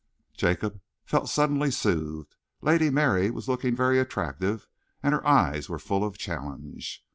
Jacob felt suddenly soothed. Lady Mary was looking very attractive and her eyes were full of challenge.